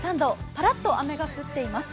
ぱらっと雨が降っています。